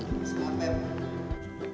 karena itu program dari bumn